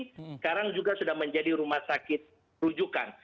sekarang juga sudah menjadi rumah sakit rujukan